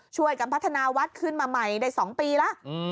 ช่วยกันพัฒนาวัดขึ้นมาใหม่ได้๒ปีแล้ว